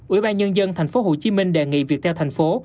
ủy ban nhân dân thành phố hồ chí minh đề nghị việc theo thành phố